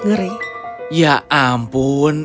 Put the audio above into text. ngeri ya ampun